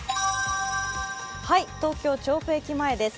東京・調布駅前です。